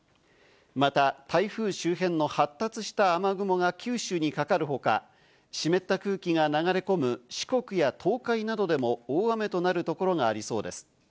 また台風周辺の発達した雨雲が九州にかかるほか、湿った空気が流れ込む四国や東海などでも大雨となるところがありそうです。